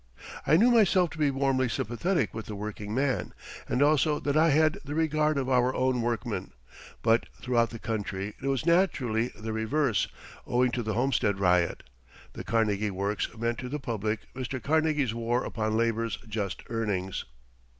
I knew myself to be warmly sympathetic with the working man, and also that I had the regard of our own workmen; but throughout the country it was naturally the reverse, owing to the Homestead riot. The Carnegie Works meant to the public Mr. Carnegie's war upon labor's just earnings.